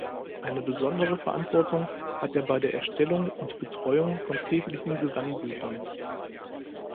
Eine besondere Verantwortung hat er bei der Erstellung und Betreuung von kirchlichen Gesangbüchern.